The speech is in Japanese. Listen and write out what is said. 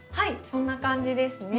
そんな感じですね。